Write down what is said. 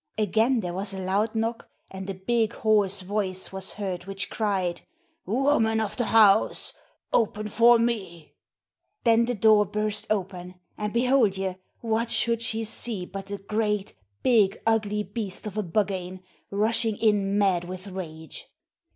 Again there was a loud knock and a big hoarse voice was heard which cried: 'Woman of the house, open for me.' Then the door burst open and behold ye, what should she see but a great, big ugly beast of a Buggane rushing in mad with rage.